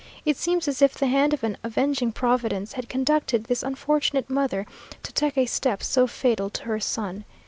It seems as if the hand of an avenging Providence had conducted this unfortunate mother to take a step so fatal to her son.